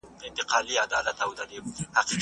ساینسپوهان د انځور اغېز څېړي.